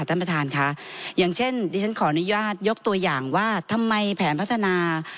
ท่านประธานค่ะอย่างเช่นดิฉันขออนุญาตยกตัวอย่างว่าทำไมแผนพัฒนา